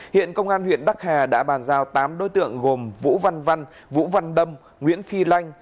hiện công an huyện đắc hà đã bàn giao tám đối tượng gồm vũ văn văn vũ văn đông nguyễn phi lanh